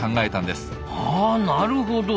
あなるほど。